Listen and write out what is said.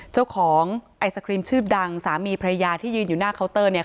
เจ้าของไอศครีมชื่อดังสามีพระยาที่ยืนอยู่หน้าเคาน์เตอร์เนี่ย